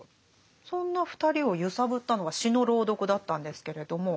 そんな２人を揺さぶったのが詩の朗読だったんですけれども。